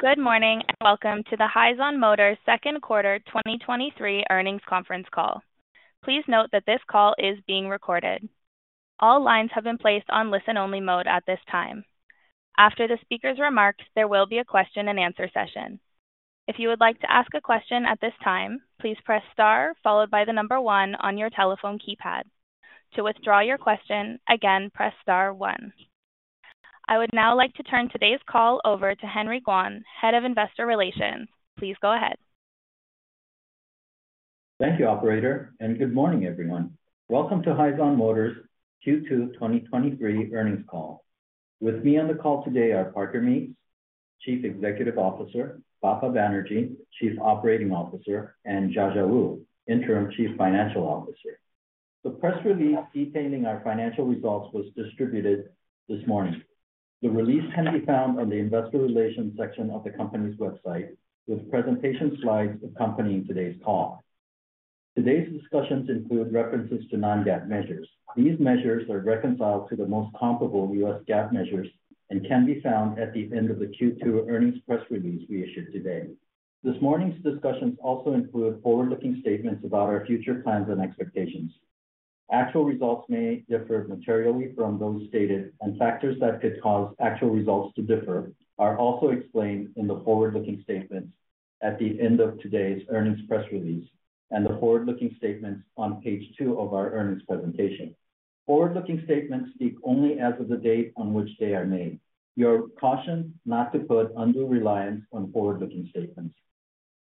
Good morning. Welcome to the Hyzon Motors second quarter 2023 earnings conference call. Please note that this call is being recorded. All lines have been placed on listen-only mode at this time. After the speaker's remarks, there will be a question-and-answer session. If you would like to ask a question at this time, please press star followed by the number one on your telephone keypad. To withdraw your question, again, press star one. I would now like to turn today's call over to Henry Kwon, Head of Investor Relations. Please go ahead. Thank you, operator. Good morning, everyone. Welcome to Hyzon Motors Q2 2023 earnings call. With me on the call today are Parker Meeks, Chief Executive Officer, Bappa Banerjee, Chief Operating Officer, and Jiajia Wu, Interim Chief Financial Officer. The press release detailing our financial results was distributed this morning. The release can be found on the investor relations section of the company's website, with presentation slides accompanying today's call. Today's discussions include references to non-GAAP measures. These measures are reconciled to the most comparable U.S. GAAP measures and can be found at the end of the Q2 earnings press release we issued today. This morning's discussions also include forward-looking statements about our future plans and expectations. Actual results may differ materially from those stated, and factors that could cause actual results to differ are also explained in the forward-looking statements at the end of today's earnings press release and the forward-looking statements on page two of our earnings presentation. Forward-looking statements speak only as of the date on which they are made. You are cautioned not to put undue reliance on forward-looking statements.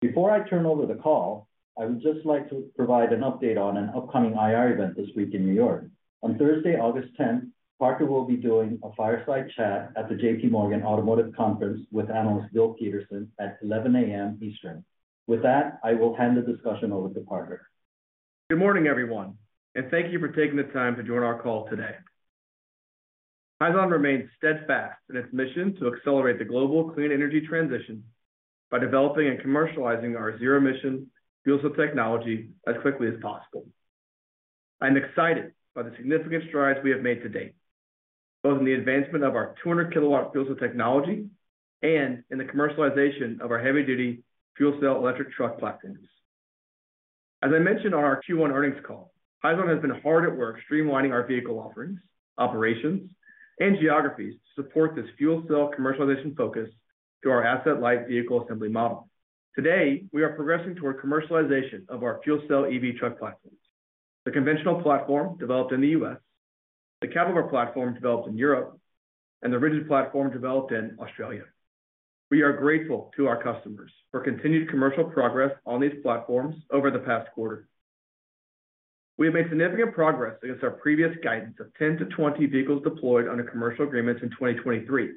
Before I turn over the call, I would just like to provide an update on an upcoming IR event this week in New York. On Thursday, August 10th, Parker will be doing a fireside chat at the JPMorgan Auto Conference with analyst Bill Peterson at 11:00 A.M. Eastern. With that, I will hand the discussion over to Parker. Good morning, everyone, and thank you for taking the time to join our call today. Hyzon remains steadfast in its mission to accelerate the global clean energy transition by developing and commercializing our zero-emission fuel cell technology as quickly as possible. I'm excited by the significant strides we have made to date, both in the advancement of our 200 kW fuel cell technology and in the commercialization of our heavy-duty fuel cell electric truck platforms. As I mentioned on our Q1 earnings call, Hyzon has been hard at work streamlining our vehicle offerings, operations, and geographies to support this fuel cell commercialization focus through our asset-light vehicle assembly model. Today, we are progressing toward commercialization of our fuel cell EV truck platforms, the conventional platform developed in the U.S., the cabover platform developed in Europe, and the rigid platform developed in Australia. We are grateful to our customers for continued commercial progress on these platforms over the past quarter. We have made significant progress against our previous guidance of 10-20 vehicles deployed under commercial agreements in 2023.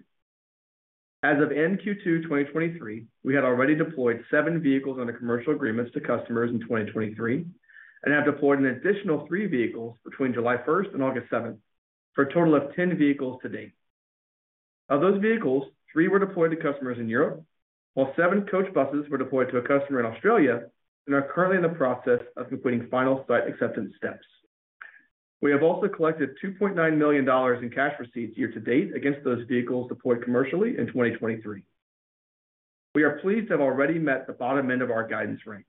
As of end Q2 2023, we had already deployed seven vehicles under commercial agreements to customers in 2023 and have deployed an additional three vehicles between July 1st and August 7th, for a total of 10 vehicles to date. Of those vehicles, three were deployed to customers in Europe, while seven coach buses were deployed to a customer in Australia and are currently in the process of completing final site acceptance steps. We have also collected $2.9 million in cash receipts year to date against those vehicles deployed commercially in 2023. We are pleased to have already met the bottom end of our guidance range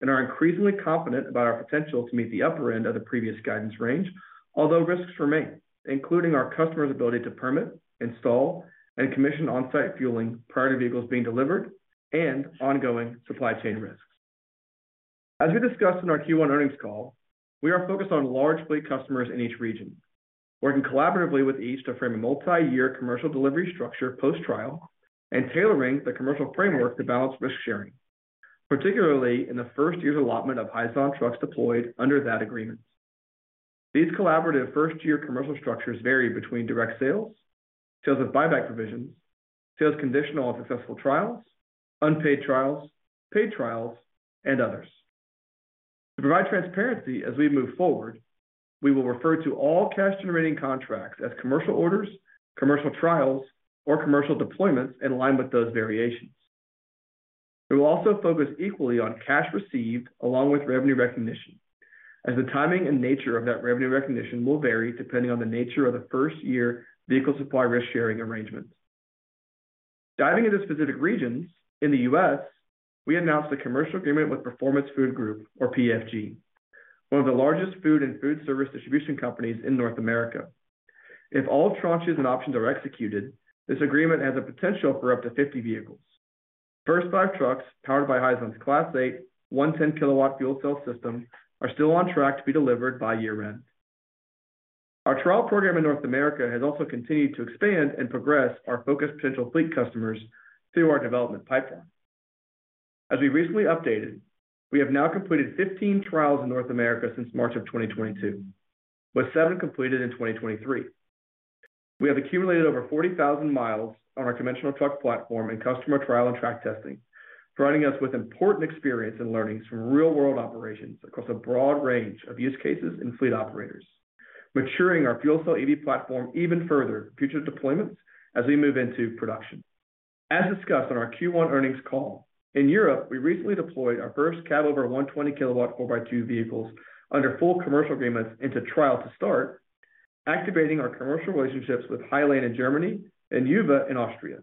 and are increasingly confident about our potential to meet the upper end of the previous guidance range, although risks remain, including our customer's ability to permit, install, and commission on-site fueling prior to vehicles being delivered and ongoing supply chain risks. As we discussed in our Q1 earnings call, we are focused on large fleet customers in each region, working collaboratively with each to frame a multiyear commercial delivery structure post-trial and tailoring the commercial framework to balance risk-sharing, particularly in the first year's allotment of Hyzon trucks deployed under that agreement. These collaborative first-year commercial structures vary between direct sales, sales with buyback provisions, sales conditional on successful trials, unpaid trials, paid trials, and others. To provide transparency as we move forward, we will refer to all cash-generating contracts as commercial orders, commercial trials, or commercial deployments in line with those variations. We will also focus equally on cash received along with revenue recognition, as the timing and nature of that revenue recognition will vary depending on the nature of the first-year vehicle supply risk-sharing arrangements. Diving into specific regions, in the U.S., we announced a commercial agreement with Performance Food Group, or PFG, one of the largest food and food service distribution companies in North America. If all tranches and options are executed, this agreement has a potential for up to 50 vehicles. First five trucks, powered by Hyzon's Class 8, 110 kW fuel cell system, are still on track to be delivered by year-end. Our trial program in North America has also continued to expand and progress our focused potential fleet customers through our development pipeline. As we recently updated, we have now completed 15 trials in North America since March of 2022, with seven completed in 2023. We have accumulated over 40,000 miles on our conventional truck platform in customer trial and track testing, providing us with important experience and learnings from real-world operations across a broad range of use cases and fleet operators, maturing our fuel cell EV platform even further future deployments as we move into production. As discussed on our Q1 earnings call, in Europe, we recently deployed our first cabover 120 kW 4x2 vehicles under full commercial agreements into trial to activating our commercial relationships with hylane in Germany and UVA in Austria.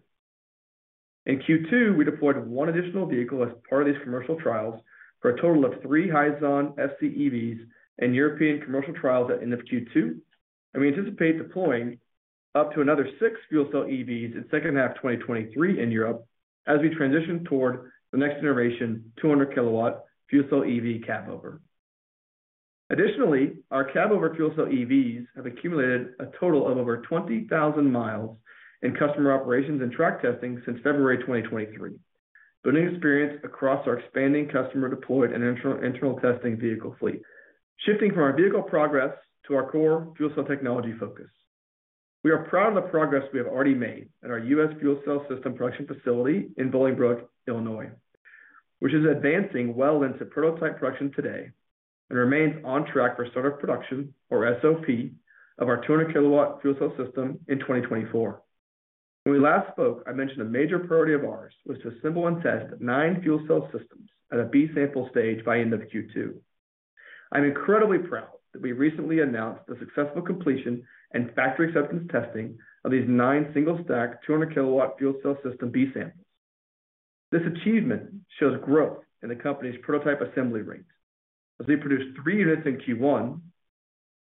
In Q2, we deployed one additional vehicle as part of these commercial trials, for a total of three Hyzon FCEVs and European commercial trials at end of Q2. We anticipate deploying up to another six fuel cell EVs in second half of 2023 in Europe, as we transition toward the next generation 200 kW fuel cell EV cabover. Additionally, our cabover fuel cell EVs have accumulated a total of over 20,000 miles in customer operations and track testing since February 2023, building experience across our expanding customer deployed and internal testing vehicle fleet. Shifting from our vehicle progress to our core fuel cell technology focus. We are proud of the progress we have already made at our U.S. fuel cell system production facility in Bolingbrook, Illinois, which is advancing well into prototype production today, and remains on track for start of production, or SOP, of our 200 kW fuel cell system in 2024. When we last spoke, I mentioned a major priority of ours was to assemble and test nine fuel cell systems at a B-sample stage by end of Q2. I'm incredibly proud that we recently announced the successful completion and factory acceptance testing of these nine single-stack, 200 kW fuel cell system B samples. This achievement shows growth in the company's prototype assembly rates, as we produced three units in Q1,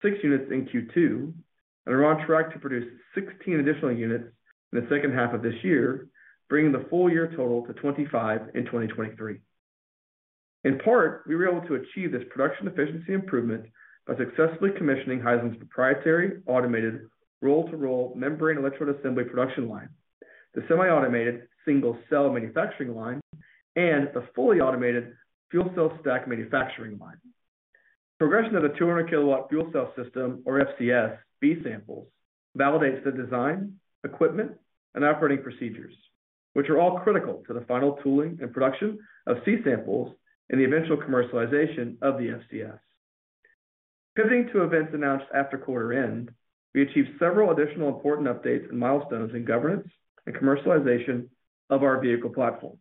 six units in Q2, and are on track to produce 16 additional units in the second half of this year, bringing the full year total to 25 in 2023. In part, we were able to achieve this production efficiency improvement by successfully commissioning Hyzon's proprietary automated roll-to-roll Membrane Electrode Assembly production line, the semi-automated single cell manufacturing line, and the fully automated fuel cell stack manufacturing line. Progression of the 200 kW fuel cell system, or FCS, B-samples validates the design, equipment, and operating procedures, which are all critical to the final tooling and production of C-samples and the eventual commercialization of the FCS. Pivoting to events announced after quarter end, we achieved several additional important updates and milestones in governance and commercialization of our vehicle platforms.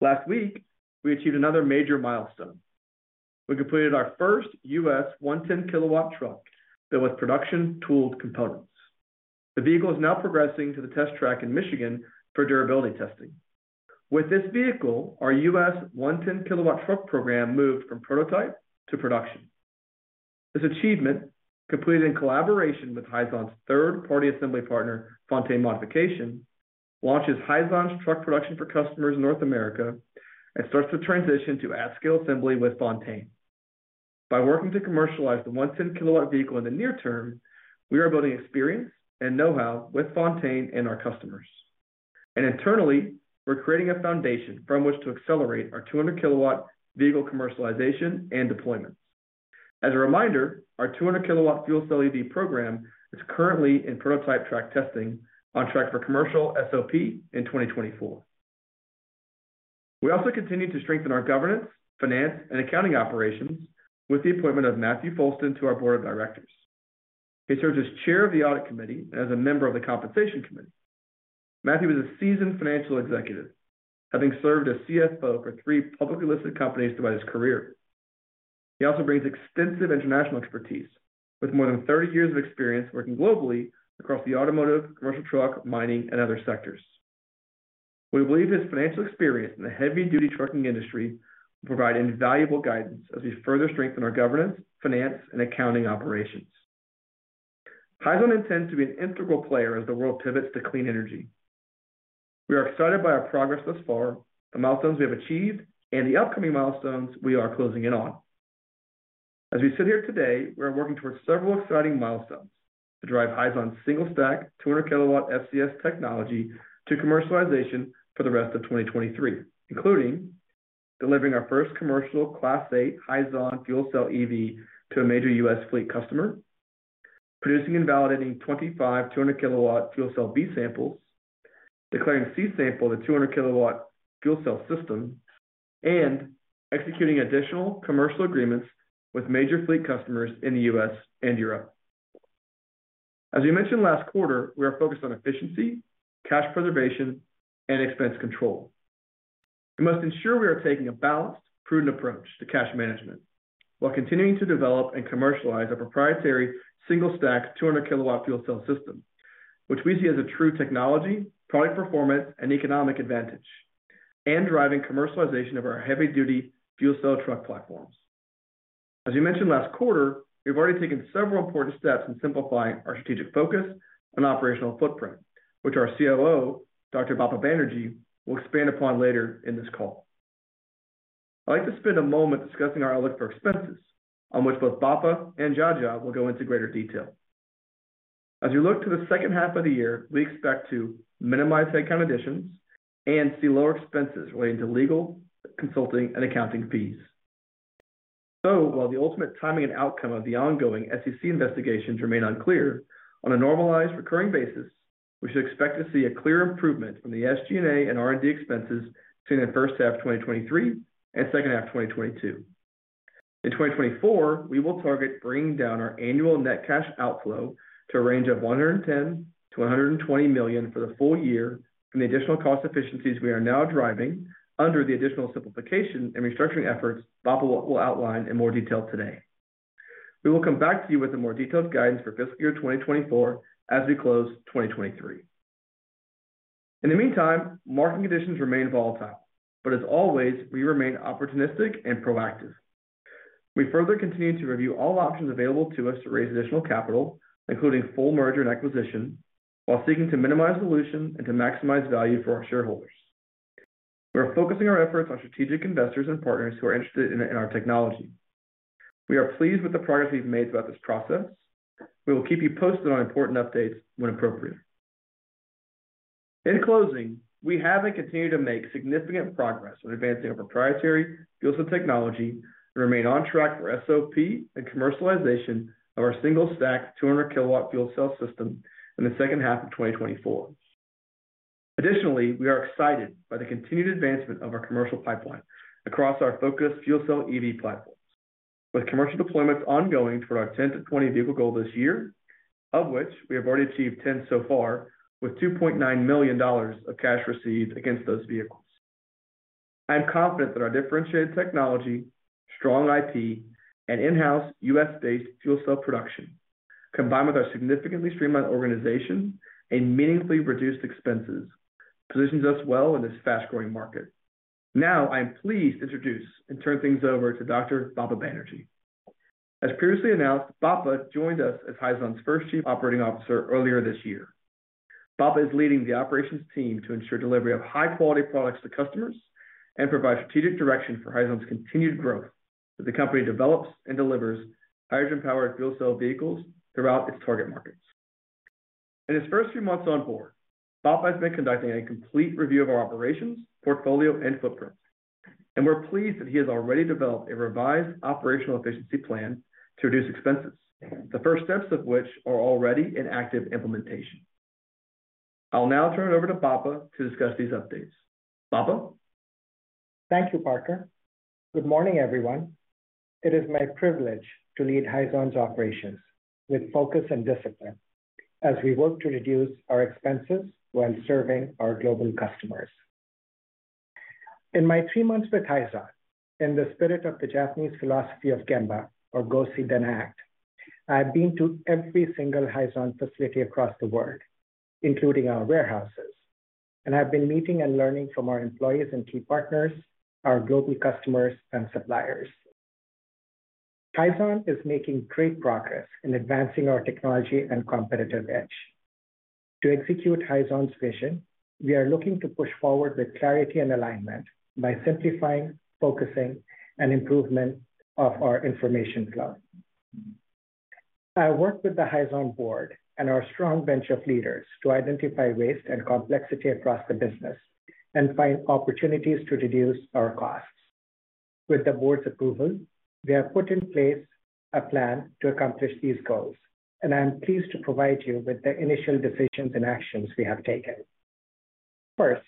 Last week, we achieved another major milestone. We completed our first U.S. 110 kW truck built with production tooled components. The vehicle is now progressing to the test track in Michigan for durability testing. With this vehicle, our U.S. 110 kW truck program moved from prototype to production. This achievement, completed in collaboration with Hyzon's third-party assembly partner, Fontaine Modification, launches Hyzon's truck production for customers in North America and starts to transition to at-scale assembly with Fontaine. By working to commercialize the 110 kW vehicle in the near term, we are building experience and know-how with Fontaine and our customers. Internally, we're creating a foundation from which to accelerate our 200 kW vehicle commercialization and deployment. As a reminder, our 200 kW fuel cell EV program is currently in prototype track testing, on track for commercial SOP in 2024. We also continue to strengthen our governance, finance, and accounting operations with the appointment of Matthew Foulston to our board of directors. He serves as chair of the audit committee and as a member of the compensation committee. Matthew is a seasoned financial executive, having served as CFO for three publicly listed companies throughout his career. He also brings extensive international expertise, with more than 30 years of experience working globally across the automotive, commercial truck, mining, and other sectors. We believe his financial experience in the heavy-duty trucking industry will provide invaluable guidance as we further strengthen our governance, finance, and accounting operations. Hyzon intends to be an integral player as the world pivots to clean energy. We are excited by our progress thus far, the milestones we have achieved, and the upcoming milestones we are closing in on. As we sit here today, we are working towards several exciting milestones to drive Hyzon's single-stack, 200 kW FCS technology to commercialization for the rest of 2023, including delivering our first commercial Class 8 Hyzon fuel cell EV to a major U.S. fleet customer, producing and validating 25 200 kW fuel cell B-samples, declaring C-sample the 200 kW fuel cell system, and executing additional commercial agreements with major fleet customers in the U.S. and Europe. As we mentioned last quarter, we are focused on efficiency, cash preservation, and expense control. We must ensure we are taking a balanced, prudent approach to cash management, while continuing to develop and commercialize our proprietary single-stack, 200 kW fuel cell system, which we see as a true technology, product performance, and economic advantage, and driving commercialization of our heavy-duty fuel cell truck platforms. As we mentioned last quarter, we've already taken several important steps in simplifying our strategic focus and operational footprint, which our COO, Dr. Bappa Banerjee, will expand upon later in this call. I'd like to spend a moment discussing our outlook for expenses, on which both Bappa and Jiajia will go into greater detail. As we look to the second half of the year, we expect to minimize headcount additions and see lower expenses relating to legal, consulting, and accounting fees. While the ultimate timing and outcome of the ongoing SEC investigations remain unclear, on a normalized recurring basis, we should expect to see a clear improvement from the SG&A and R&D expenses between the first half of 2023 and second half of 2022. In 2024, we will target bringing down our annual net cash outflow-... to a range of $110 million-$120 million for the full year, from the additional cost efficiencies we are now driving under the additional simplification and restructuring efforts Bappa will outline in more detail today. We will come back to you with a more detailed guidance for fiscal year 2024, as we close 2023. In the meantime, market conditions remain volatile, but as always, we remain opportunistic and proactive. We further continue to review all options available to us to raise additional capital, including full merger and acquisition, while seeking to minimize dilution and to maximize value for our shareholders. We are focusing our efforts on strategic investors and partners who are interested in our technology. We are pleased with the progress we've made throughout this process. We will keep you posted on important updates when appropriate. In closing, we have and continue to make significant progress in advancing our proprietary fuel cell technology, and remain on track for SOP and commercialization of our single-stack 200 kW fuel cell system in the second half of 2024. Additionally, we are excited by the continued advancement of our commercial pipeline across our focused fuel cell EV platforms, with commercial deployments ongoing for our 10-20 vehicle goal this year, of which we have already achieved 10 so far, with $2.9 million of cash received against those vehicles. I am confident that our differentiated technology, strong IP, and in-house U.S.-based fuel cell production, combined with our significantly streamlined organization and meaningfully reduced expenses, positions us well in this fast-growing market. Now, I am pleased to introduce and turn things over to Dr. Bappa Banerjee. As previously announced, Bappa joined us as Hyzon's first Chief Operating Officer earlier this year. Bappa is leading the operations team to ensure delivery of high-quality products to customers and provide strategic direction for Hyzon's continued growth, as the company develops and delivers hydrogen-powered fuel cell vehicles throughout its target markets. In his first few months on board, Bappa has been conducting a complete review of our operations, portfolio, and footprint, and we're pleased that he has already developed a revised operational efficiency plan to reduce expenses, the first steps of which are already in active implementation. I'll now turn it over to Bappa to discuss these updates. Bappa? Thank you, Parker. Good morning, everyone. It is my privilege to lead Hyzon's operations with focus and discipline as we work to reduce our expenses while serving our global customers. In my three months with Hyzon, in the spirit of the Japanese philosophy of Gemba, or go see then act, I have been to every single Hyzon facility across the world, including our warehouses, and I've been meeting and learning from our employees and key partners, our global customers and suppliers. Hyzon is making great progress in advancing our technology and competitive edge. To execute Hyzon's vision, we are looking to push forward with clarity and alignment by simplifying, focusing, and improvement of our information flow. I worked with the Hyzon board and our strong bench of leaders to identify waste and complexity across the business and find opportunities to reduce our costs. With the board's approval, we have put in place a plan to accomplish these goals, and I am pleased to provide you with the initial decisions and actions we have taken. First,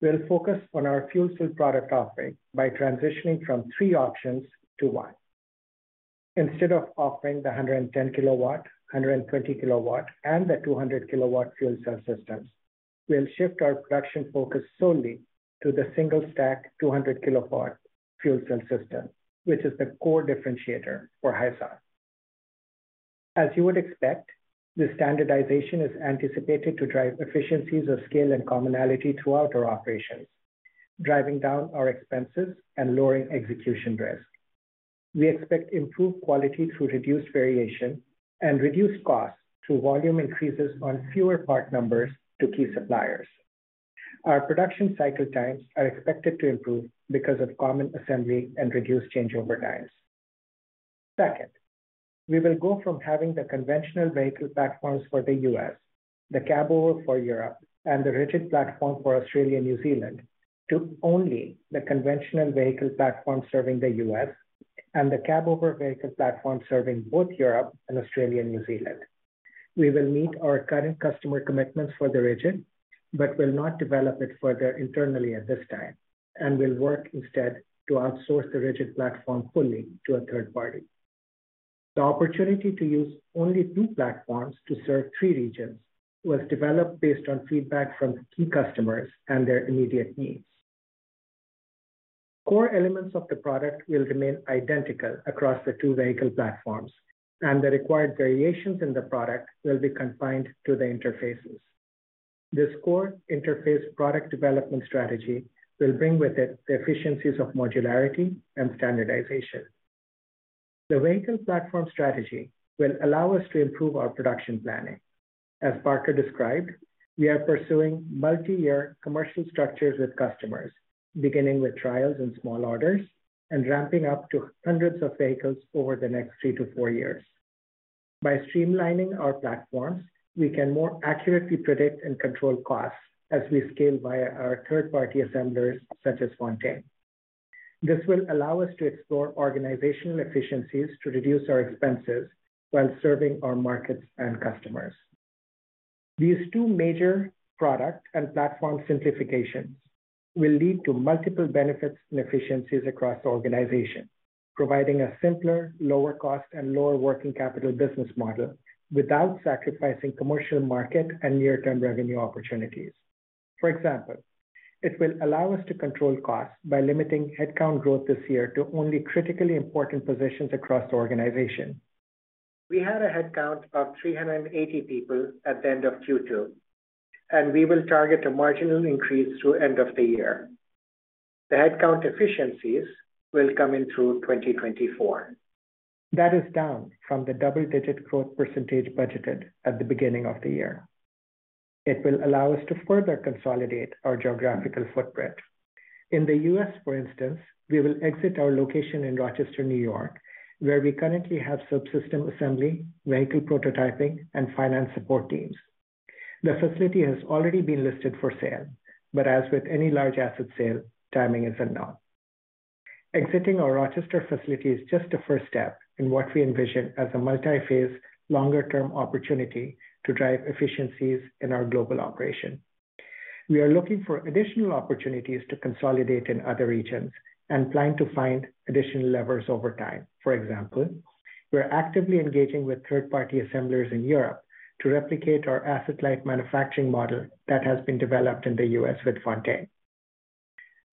we'll focus on our fuel cell product offering by transitioning from three options to one. Instead of offering the 110 kW, 120 kW, and the 200 kW fuel cell systems, we'll shift our production focus solely to the single-stack 200 kW fuel cell system, which is the core differentiator for Hyzon. As you would expect, this standardization is anticipated to drive efficiencies of scale and commonality throughout our operations, driving down our expenses and lowering execution risk. We expect improved quality through reduced variation and reduced costs through volume increases on fewer part numbers to key suppliers. Our production cycle times are expected to improve because of common assembly and reduced changeover times. Second, we will go from having the conventional vehicle platforms for the U.S., the cabover for Europe, and the rigid platform for Australia and New Zealand, to only the conventional vehicle platform serving the U.S. and the cabover vehicle platform serving both Europe and Australia and New Zealand. We will meet our current customer commitments for the rigid, but will not develop it further internally at this time, and will work instead to outsource the rigid platform fully to a third party. The opportunity to use only two platforms to serve three regions was developed based on feedback from key customers and their immediate needs. Core elements of the product will remain identical across the two vehicle platforms, and the required variations in the product will be confined to the interfaces. This core interface product development strategy will bring with it the efficiencies of modularity and standardization. The vehicle platform strategy will allow us to improve our production planning. As Parker described, we are pursuing multi-year commercial structures with customers, beginning with trials and small orders, and ramping up to hundreds of vehicles over the next 3-4 years. By streamlining our platforms, we can more accurately predict and control costs as we scale via our third-party assemblers, such as Fontaine. This will allow us to explore organizational efficiencies to reduce our expenses while serving our markets and customers. These two major product and platform simplifications will lead to multiple benefits and efficiencies across the organization, providing a simpler, lower cost, and lower working capital business model without sacrificing commercial market and near-term revenue opportunities. For example, it will allow us to control costs by limiting headcount growth this year to only critically important positions across the organization. We had a headcount of 380 people at the end of Q2, and we will target a marginal increase through end of the year. The headcount efficiencies will come in through 2024. That is down from the double-digit growth percentage budgeted at the beginning of the year. It will allow us to further consolidate our geographical footprint. In the U.S., for instance, we will exit our location in Rochester, New York, where we currently have subsystem assembly, vehicle prototyping, and finance support teams. The facility has already been listed for sale, but as with any large asset sale, timing is unknown. Exiting our Rochester facility is just the first step in what we envision as a multi-phase, longer-term opportunity to drive efficiencies in our global operation. We are looking for additional opportunities to consolidate in other regions and plan to find additional levers over time. For example, we're actively engaging with third-party assemblers in Europe to replicate our asset-light manufacturing model that has been developed in the U.S. with Fontaine.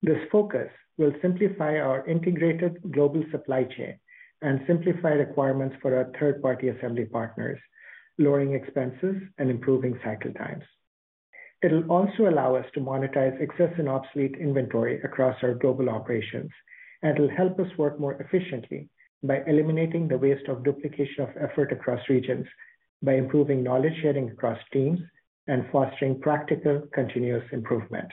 This focus will simplify our integrated global supply chain and simplify requirements for our third-party assembly partners, lowering expenses and improving cycle times. It'll also allow us to monetize excess and obsolete inventory across our global operations, and it'll help us work more efficiently by eliminating the waste of duplication of effort across regions, by improving knowledge sharing across teams, and fostering practical, continuous improvement.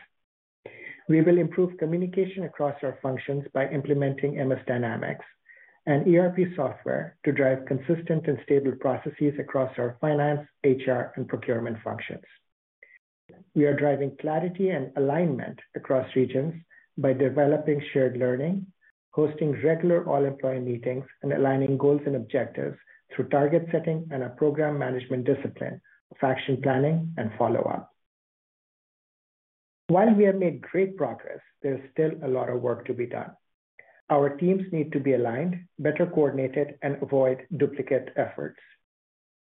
We will improve communication across our functions by implementing Microsoft Dynamics and ERP software to drive consistent and stable processes across our finance, HR, and procurement functions. We are driving clarity and alignment across regions by developing shared learning, hosting regular all-employee meetings, and aligning goals and objectives through target setting and a program management discipline of action planning and follow-up. While we have made great progress, there is still a lot of work to be done. Our teams need to be aligned, better coordinated, avoid duplicate efforts.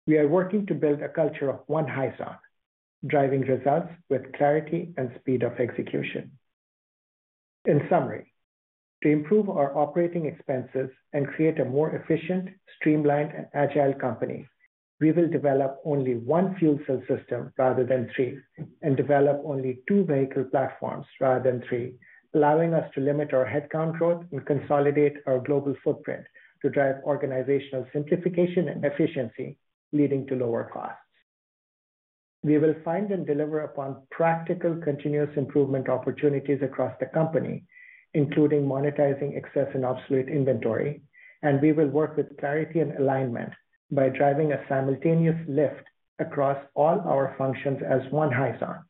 We are working to build a culture of one Hyzon, driving results with clarity and speed of execution. In summary, to improve our operating expenses and create a more efficient, streamlined, and agile company, we will develop only one fuel cell system rather than three, and develop only two vehicle platforms rather than three, allowing us to limit our headcount growth and consolidate our global footprint to drive organizational simplification and efficiency, leading to lower costs. We will find and deliver upon practical, continuous improvement opportunities across the company, including monetizing excess and obsolete inventory, and we will work with clarity and alignment by driving a simultaneous lift across all our functions as one Hyzon,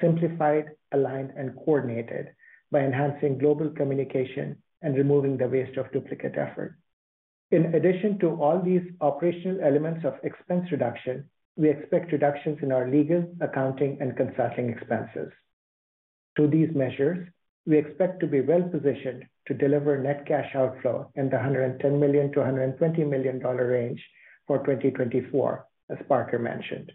simplified, aligned, and coordinated by enhancing global communication and removing the waste of duplicate effort. In addition to all these operational elements of expense reduction, we expect reductions in our legal, accounting, and consulting expenses. Through these measures, we expect to be well-positioned to deliver net cash outflow in the $110 million-$120 million range for 2024, as Parker mentioned.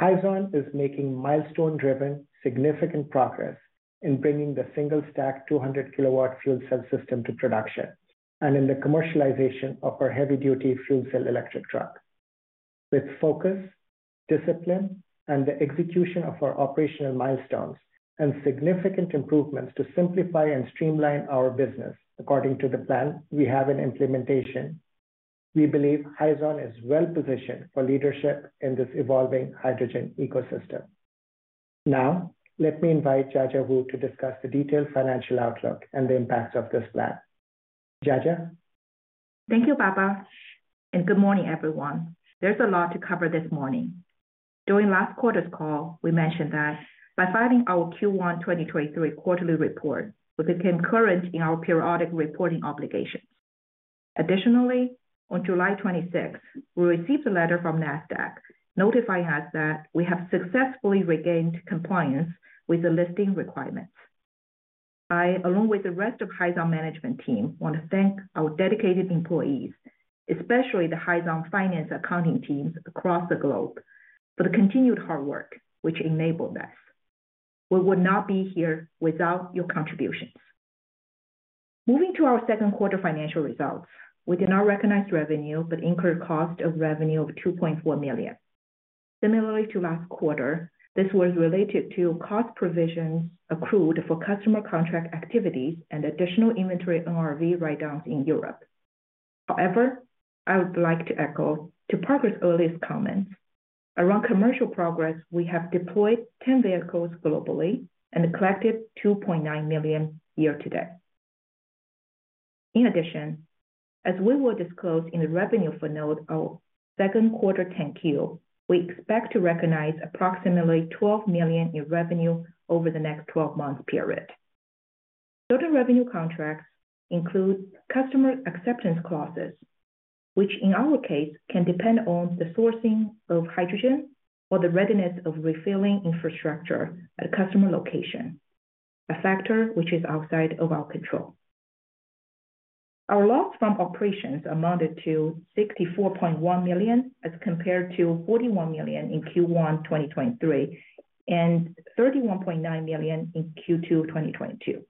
Hyzon is making milestone-driven, significant progress in bringing the single-stack 200 kW fuel cell system to production, and in the commercialization of our heavy-duty fuel cell electric truck. With focus, discipline, and the execution of our operational milestones and significant improvements to simplify and streamline our business according to the plan we have in implementation, we believe Hyzon is well positioned for leadership in this evolving hydrogen ecosystem. Let me invite Jiajia Wu to discuss the detailed financial outlook and the impact of this plan. Jiajia? Thank you, Bappa. Good morning, everyone. There's a lot to cover this morning. During last quarter's call, we mentioned that by filing our Q1 2023 quarterly report, we became current in our periodic reporting obligations. On July 26, we received a letter from Nasdaq notifying us that we have successfully regained compliance with the listing requirements. I, along with the rest of Hyzon management team, want to thank our dedicated employees, especially the Hyzon finance accounting teams across the globe, for the continued hard work which enabled us. We would not be here without your contributions. To our second quarter financial results, we did not recognize revenue, but incurred cost of revenue of $2.4 million. To last quarter, this was related to cost provisions accrued for customer contract activities and additional inventory NRV write-downs in Europe. However, I would like to echo to Parker's earlier comments, around commercial progress, we have deployed 10 vehicles globally and collected $2.9 million year to date. In addition, as we will disclose in the revenue for note our second quarter 10-Q, we expect to recognize approximately $12 million in revenue over the next 12-month period. Total revenue contracts include customer acceptance clauses, which in our case, can depend on the sourcing of hydrogen or the readiness of refilling infrastructure at customer location, a factor which is outside of our control. Our loss from operations amounted to $64.1 million, as compared to $41 million in Q1 2023, and $31.9 million in Q2 2022.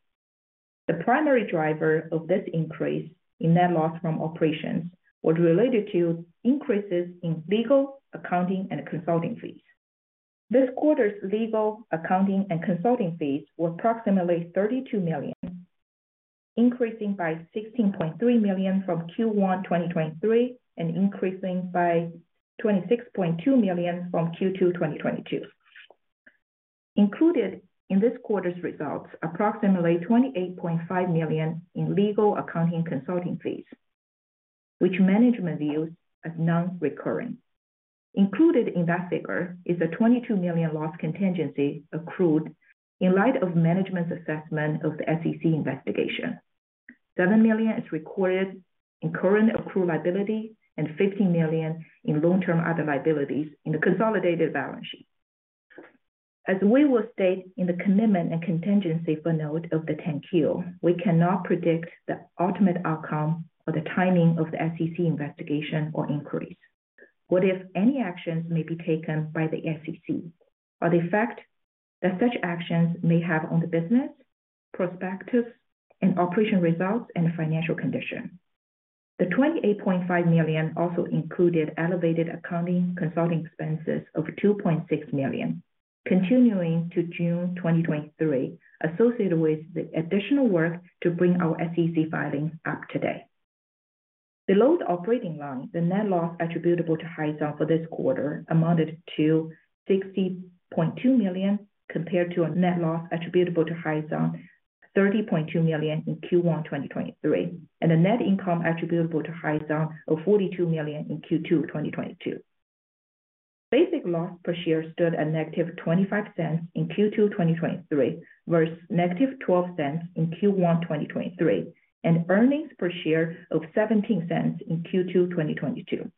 The primary driver of this increase in net loss from operations was related to increases in legal, accounting, and consulting fees. This quarter's legal, accounting, and consulting fees were approximately $32 million, increasing by $16.3 million from Q1, 2023, and increasing by $26.2 million from Q2, 2022. Included in this quarter's results, approximately $28.5 million in legal accounting consulting fees, which management views as non-recurring. Included in that figure is a $22 million loss contingency accrued in light of management's assessment of the SEC investigation. $7 million is recorded in current accrued liability and $15 million in long-term other liabilities in the consolidated balance sheet. As we will state in the commitment and contingency footnote of the 10-Q, we cannot predict the ultimate outcome or the timing of the SEC investigation or inquiries. What if any actions may be taken by the SEC, or the effect that such actions may have on the business, prospectus, and operation results and financial condition? The $28.5 million also included elevated accounting consulting expenses of $2.6 million, continuing to June 2023, associated with the additional work to bring our SEC filings up to date. Below the operating line, the net loss attributable to Hyzon for this quarter amounted to $60.2 million, compared to a net loss attributable to Hyzon, $30.2 million in Q1, 2023, and a net income attributable to Hyzon of $42 million in Q2, 2022. Basic loss per share stood at negative $0.25 in Q2, 2023, versus negative $0.12 in Q1, 2023, and earnings per share of $0.17 in Q2, 2022.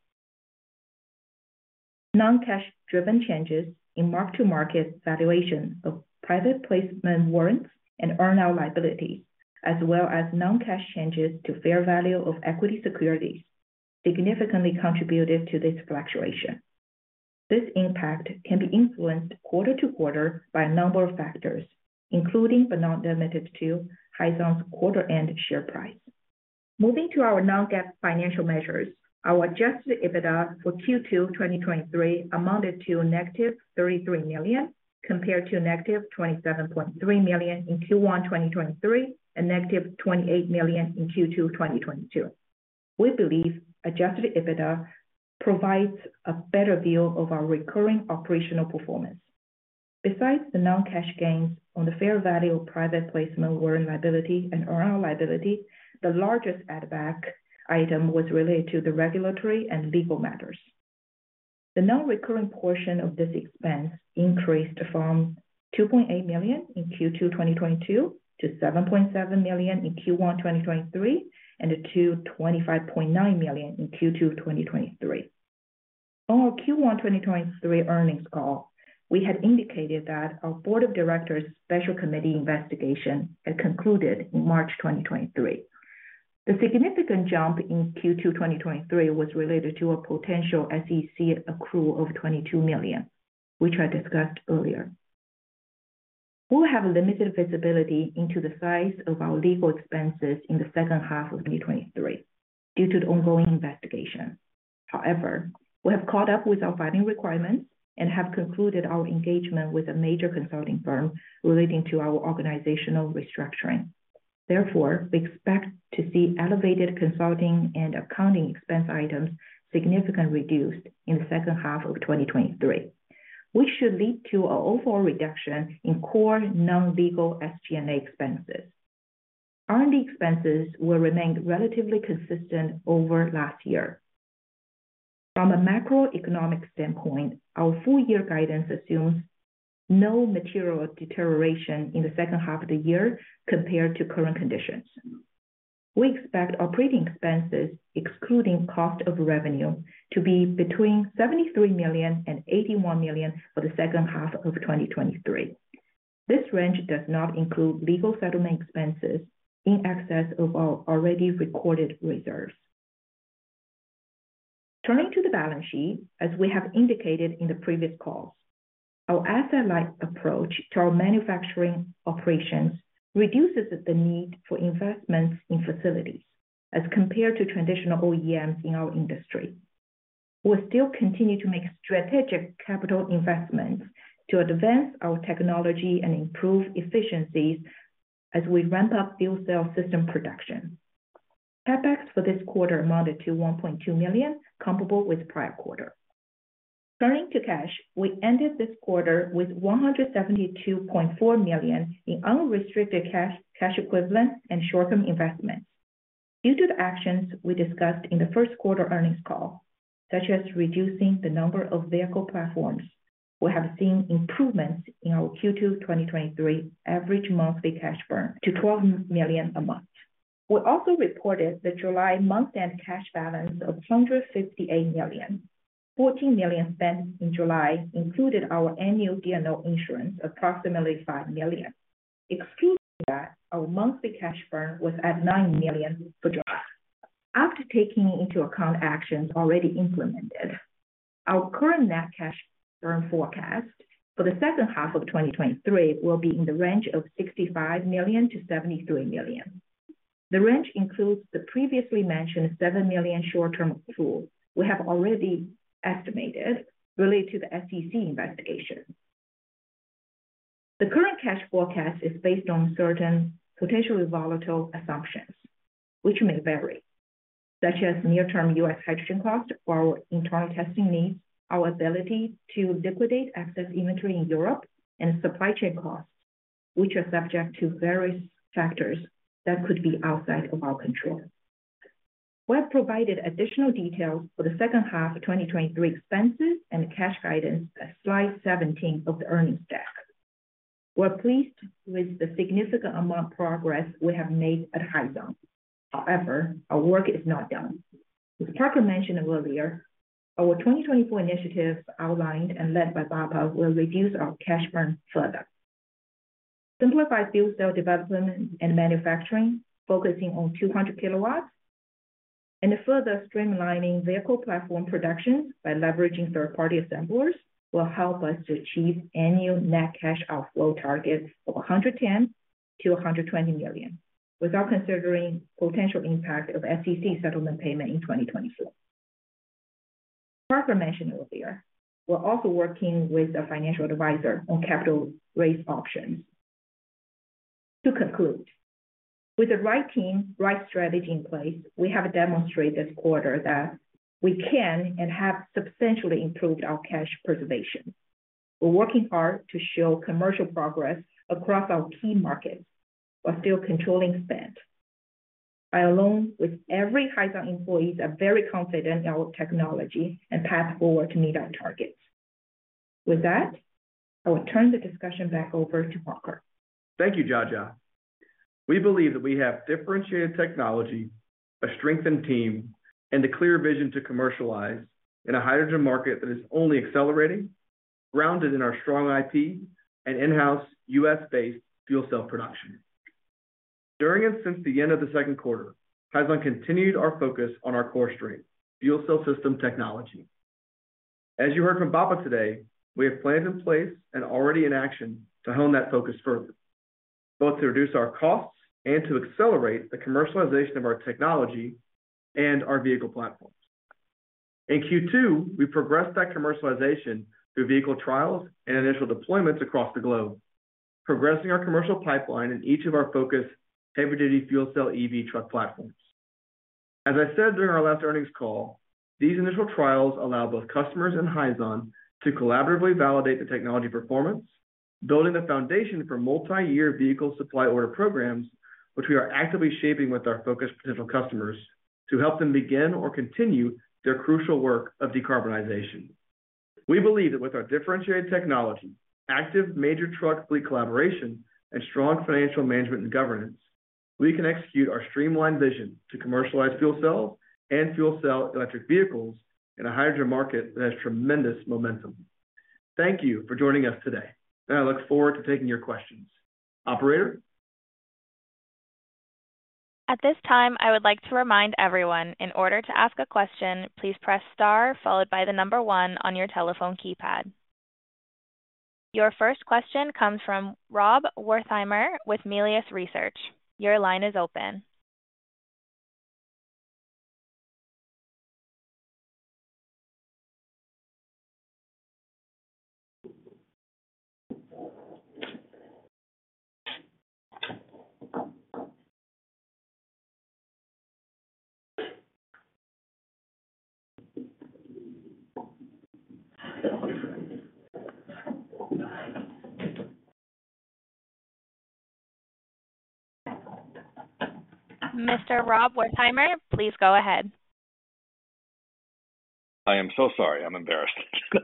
Non-cash driven changes in mark-to-market valuation of private placement warrants and earnout liability, as well as non-cash changes to fair value of equity securities, significantly contributed to this fluctuation. This impact can be influenced quarter to quarter by a number of factors, including, but not limited to, Hyzon's quarter end share price. Moving to our non-GAAP financial measures, our Adjusted EBITDA for Q2 2023 amounted to negative $33 million, compared to negative $27.3 million in Q1 2023, and negative $28 million in Q2 2022. We believe Adjusted EBITDA provides a better view of our recurring operational performance. Besides the non-cash gains on the fair value of private placement, warrant liability and earnout liability, the largest add-back item was related to the regulatory and legal matters. The non-recurring portion of this expense increased from $2.8 million in Q2 2022, to $7.7 million in Q1 2023, and to $25.9 million in Q2 2023. On our Q1 2023 earnings call, we had indicated that our Board of Directors Special Committee Investigation had concluded in March 2023. The significant jump in Q2 2023 was related to a potential SEC accrue of $22 million, which I discussed earlier. However, we have limited visibility into the size of our legal expenses in the second half of 2023, due to the ongoing investigation. We have caught up with our filing requirements and have concluded our engagement with a major consulting firm relating to our organizational restructuring. Therefore, we expect to see elevated consulting and accounting expense items significantly reduced in the second half of 2023, which should lead to an overall reduction in core non-legal SG&A expenses. R&D expenses will remain relatively consistent over last year. From a macroeconomic standpoint, our full year guidance assumes no material deterioration in the second half of the year compared to current conditions. We expect operating expenses, excluding cost of revenue, to be between $73 million and $81 million for the second half of 2023. This range does not include legal settlement expenses in excess of our already recorded reserves. Turning to the balance sheet, as we have indicated in the previous calls, our asset-light approach to our manufacturing operations reduces the need for investments in facilities as compared to traditional OEMs in our industry. We still continue to make strategic capital investments to advance our technology and improve efficiencies as we ramp up fuel cell system production. CapEx for this quarter amounted to $1.2 million, comparable with prior quarter. Turning to cash, we ended this quarter with $172.4 million in unrestricted cash, cash equivalents, and short-term investments. Due to the actions we discussed in the first quarter earnings call, such as reducing the number of vehicle platforms, we have seen improvements in our Q2 2023 average monthly cash burn to $12 million a month. We also reported the July month-end cash balance of $258 million. $14 million spent in July included our annual D&O insurance, approximately $5 million. Excluding that, our monthly cash burn was at $9 million for July. After taking into account actions already implemented, our current net cash burn forecast for the second half of 2023 will be in the range of $65 million-$73 million. The range includes the previously mentioned $7 million short-term pool we have already estimated related to the SEC investigation. The current cash forecast is based on certain potentially volatile assumptions, which may vary, such as near-term U.S. hydrogen cost for our internal testing needs, our ability to liquidate excess inventory in Europe, and supply chain costs, which are subject to various factors that could be outside of our control. We have provided additional details for the second half of 2023 expenses and cash guidance at slide 17 of the earnings deck. We're pleased with the significant amount of progress we have made at Hyzon. However, our work is not done. As Parker mentioned earlier, our 2024 initiatives outlined and led by Bappa will reduce our cash burn further. Simplify fuel cell development and manufacturing, focusing on 200 kWs, and further streamlining vehicle platform production by leveraging third-party assemblers will help us to achieve annual net cash outflow targets of $110 million-$120 million, without considering potential impact of SEC settlement payment in 2024. Parker mentioned earlier, we're also working with a financial advisor on capital raise options. To conclude, with the right team, right strategy in place, we have demonstrated this quarter that we can and have substantially improved our cash preservation. We're working hard to show commercial progress across our key markets while still controlling spend. I, along with every Hyzon employee, are very confident in our technology and path forward to meet our targets. With that, I will turn the discussion back over to Parker. Thank you, Jiajia. We believe that we have differentiated technology, a strengthened team, and a clear vision to commercialize in a hydrogen market that is only accelerating, grounded in our strong IP and in-house US-based fuel cell production. During and since the end of the second quarter, Hyzon continued our focus on our core strength, fuel cell system technology. As you heard from Bappa today, we have plans in place and already in action to hone that focus further, both to reduce our costs and to accelerate the commercialization of our technology and our vehicle platforms. In Q2, we progressed that commercialization through vehicle trials and initial deployments across the globe, progressing our commercial pipeline in each of our focused heavy-duty fuel cell EV truck platforms. As I said during our last earnings call, these initial trials allow both customers and Hyzon to collaboratively validate the technology performance, building the foundation for multi-year vehicle supply order programs, which we are actively shaping with our focused potential customers to help them begin or continue their crucial work of decarbonization. We believe that with our differentiated technology, active major truck fleet collaboration, and strong financial management and governance, we can execute our streamlined vision to commercialize fuel cells and fuel cell electric vehicles in a hydrogen market that has tremendous momentum. Thank you for joining us today, and I look forward to taking your questions. Operator? At this time, I would like to remind everyone, in order to ask a question, please press star followed by the number one on your telephone keypad. Your first question comes from Rob Wertheimer with Melius Research. Your line is open. Mr. Rob Wertheimer, please go ahead. I am so sorry. I'm embarrassed.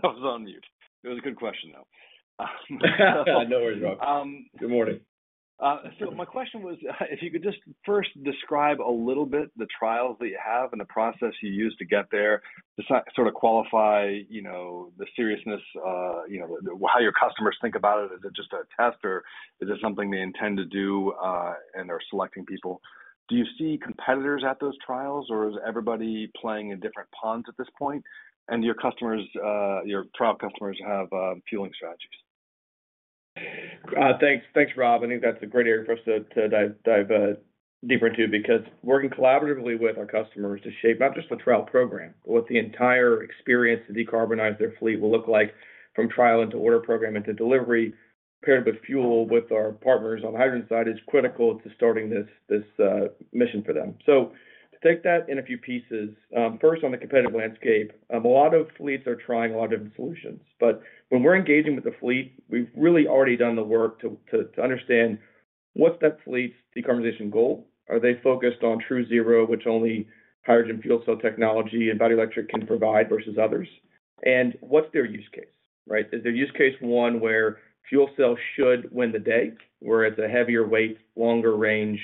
I was on mute. It was a good question, though. No worries, Rob. Um- Good morning. My question was, if you could just first describe a little bit the trials that you have and the process you use to get there. Just sort of qualify, you know, the seriousness, you know, how your customers think about it. Is it just a test, or is this something they intend to do, and they're selecting people? Do you see competitors at those trials, or is everybody playing in different ponds at this point? Do your customers, your trial customers have, fueling strategies? Thanks. Thanks, Rob. I think that's a great area for us to, to dive, dive deeper into, because working collaboratively with our customers to shape not just the trial program, but what the entire experience to decarbonize their fleet will look like from trial into order program into delivery, preparing the fuel with our partners on the hydrogen side is critical to starting this, this mission for them. To take that in a few pieces, first, on the competitive landscape, a lot of fleets are trying a lot of different solutions, but when we're engaging with the fleet, we've really already done the work to, to, to understand what's that fleet's decarbonization goal? Are they focused on true zero, which only hydrogen fuel cell technology and battery electric can provide versus others? What's their use case, right? Is their use case one where fuel cells should win the day, where it's a heavier weight, longer range,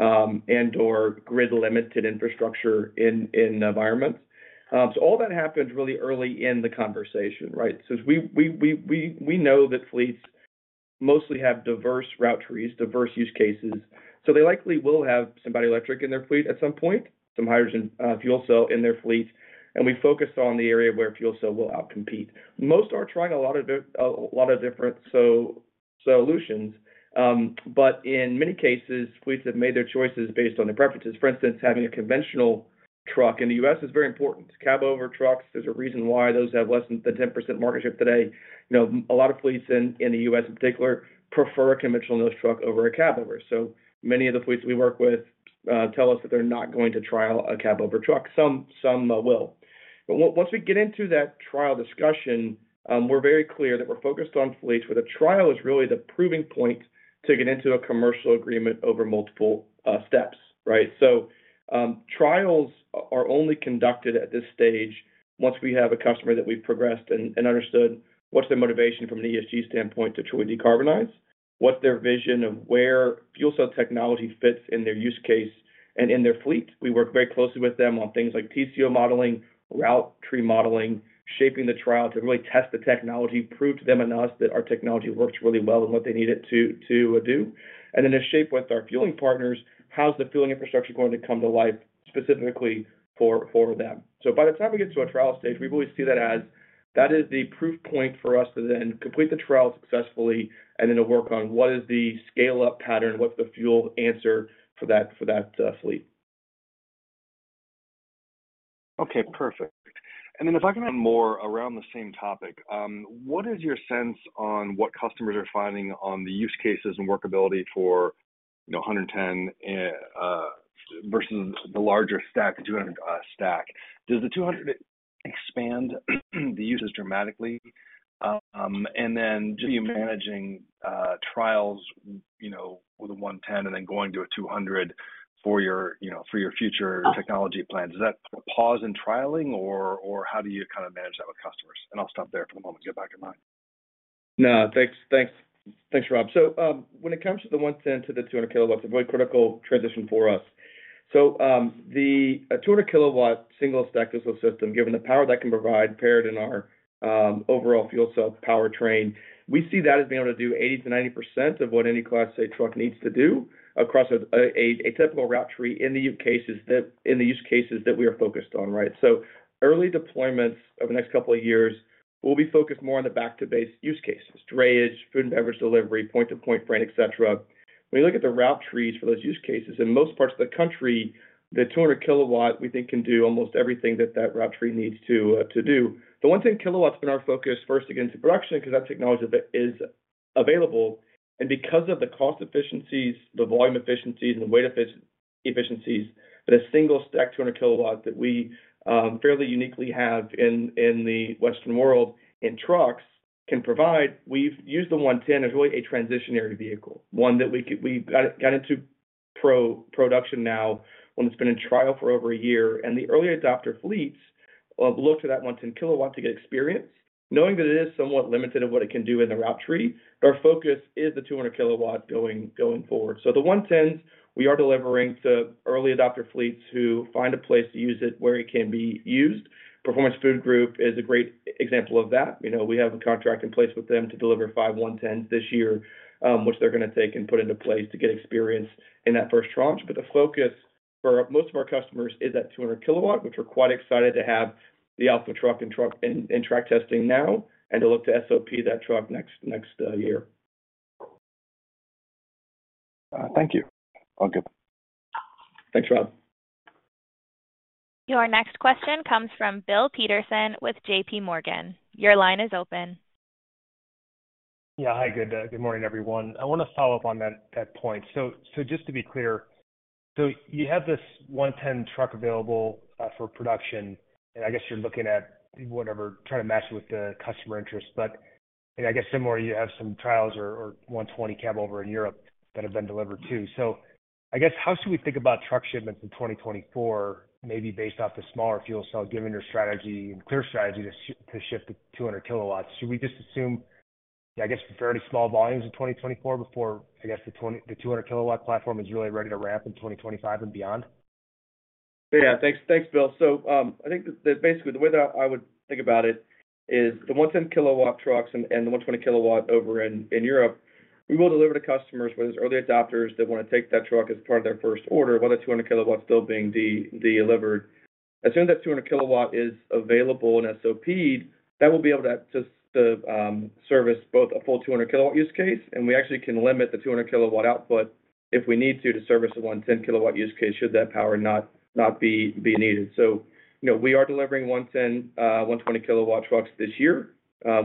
and/or grid-limited infrastructure in environments? All that happens really early in the conversation, right? We know that fleets mostly have diverse route trees, diverse use cases, so they likely will have somebody electric in their fleet at some point, some hydrogen fuel cell in their fleet, and we focus on the area where fuel cell will outcompete. Most are trying a lot of different solutions, but in many cases, fleets have made their choices based on their preferences. For instance, having a conventional truck in the US is very important. Cab over trucks, there's a reason why those have less than the 10% market share today. You know, a lot of fleets in, in the U.S. in particular, prefer a conventional nose truck over a cab over. Many of the fleets we work with tell us that they're not going to trial a cab over truck. Some, some will. Once we get into that trial discussion, we're very clear that we're focused on fleets, where the trial is really the proving point to get into a commercial agreement over multiple steps, right? Trials are only conducted at this stage once we have a customer that we've progressed and, and understood what's their motivation from an ESG standpoint to truly decarbonize, what's their vision of where fuel cell technology fits in their use case and in their fleet. We work very closely with them on things like TCO modeling, route tree modeling, shaping the trial to really test the technology, prove to them and us that our technology works really well in what they need it to, to do. Then to shape with our fueling partners, how's the fueling infrastructure going to come to life specifically for, for them? By the time we get to a trial stage, we always see that as that is the proof point for us to then complete the trial successfully, then to work on what is the scale-up pattern, what's the fuel answer for that, for that fleet. Okay, perfect. If I can add more around the same topic, what is your sense on what customers are finding on the use cases and workability for, you know, 110, versus the larger stack, the 200, stack? Does the 200 expand the uses dramatically? Just managing trials, you know, with a 110 and then going to a 200 for your, you know, for your future technology plans. Is that a pause in trialing, or, or how do you kind of manage that with customers? I'll stop there for a moment, get back in line. No, thanks, thanks. Thanks, Rob. When it comes to the 110 to the 200 kW, a very critical transition for us. The 200 kW single stack diesel system, given the power that can provide, paired in our overall fuel cell powertrain, we see that as being able to do 80%-90% of what any Class 8 truck needs to do across a typical route tree in the use cases that we are focused on, right? Early deployments over the next two years will be focused more on the back to base use cases, drayage, food and beverage delivery, point to point brand, et cetera. When you look at the route trees for those use cases, in most parts of the country, the 200 kW, we think, can do almost everything that that route tree needs to do. The 110 kW been our focus first to get into production, because that technology is available, and because of the cost efficiencies, the volume efficiencies, and the weight efficiencies that a single stack, 200 kW, that we fairly uniquely have in, in the Western world, and trucks can provide. We've used the 110 as really a transitionary vehicle, one that we've got into production now, one that's been in trial for over a year. The early adopter fleets have looked to that 110 kW to get experience, knowing that it is somewhat limited in what it can do in the route tree, but our focus is the 200 kW going forward. The 110s, we are delivering to early adopter fleets who find a place to use it where it can be used. Performance Food Group is a great example of that. You know, we have a contract in place with them to deliver five, 110s this year, which they're gonna take and put into place to get experience in that first tranche. The focus for most of our customers is that 200 kW, which we're quite excited to have the alpha truck in track testing now, and to look to SOP that truck next year. Thank you. All good. Thanks, Rob. Your next question comes from Bill Peterson with JPMorgan. Your line is open. Yeah. Hi, good morning, everyone. I want to follow up on that, that point. Just to be clear, so you have this 110 truck available for production, and I guess you're looking at whatever, trying to match it with the customer interest. I guess similar, you have some trials or, or 120 cab over in Europe that have been delivered too. I guess, how should we think about truck shipments in 2024, maybe based off the smaller fuel cell, given your strategy and clear strategy to ship the 200 kWs? Should we just assume, I guess, fairly small volumes in 2024, before, I guess, the 200 kW platform is really ready to ramp in 2025 and beyond? Yeah, thanks. Thanks, Bill. I think that basically, the way that I would think about it is the 110 kW trucks and, and the 120 kW over in, in Europe, we will deliver to customers with early adopters that want to take that truck as part of their first order, while the 200 kW still being delivered. As soon as that 200 kW is available in SOP, that will be able to service both a full 200 kW use case, and we actually can limit the 200 kW output, if we need to, to service a 110 kW use case, should that power not be needed. You know, we are delivering 110, kW trucks this year.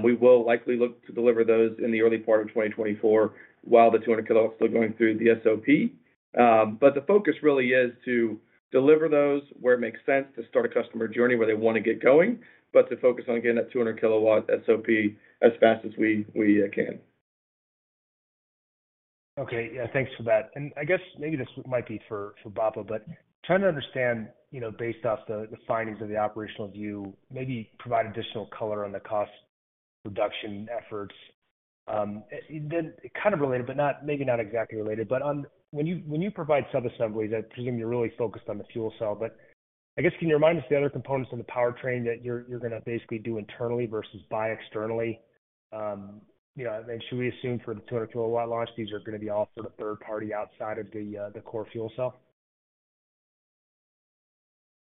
We will likely look to deliver those in the early part of 2024, while the 200 kW is still going through the SOP. The focus really is to deliver those where it makes sense to start a customer journey, where they want to get going, but to focus on getting that 200 kW SOP as fast as we, we can. Okay. Yeah, thanks for that. I guess maybe this might be for, for Bappa, but trying to understand, you know, based off the, the findings of the operational view, maybe provide additional color on the cost reduction efforts. Then kind of related, but not, maybe not exactly related, but on when you, when you provide subassemblies, I presume you're really focused on the fuel cell. I guess, can you remind us the other components of the powertrain that you're, you're gonna basically do internally versus buy externally? You know, should we assume for the 200 kW launch, these are gonna be all sort of third party outside of the core fuel cell?